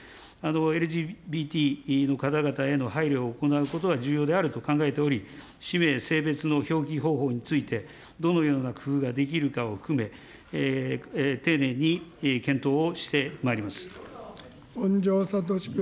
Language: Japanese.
ＬＧＢＴの方々への配慮を行うことは重要であると考えており、氏名、性別の表記方法について、どのような工夫ができるかを含め、本庄知史君。